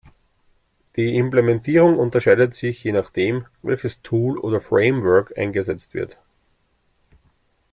Die Implementierung unterscheidet sich je nachdem, welches Tool oder Framework eingesetzt wird.